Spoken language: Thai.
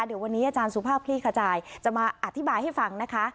เดี๋ยววันนี้อาจารย์สุภาพคลี่ขจายจะมาอธิบายให้ฟังนะคะ